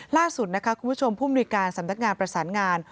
ล่าสุดนะคะคุณผู้ชมผู้มนุยการสำนักงานประสานงาน